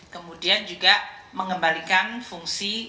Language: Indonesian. kemudian juga mengembalikan fungsi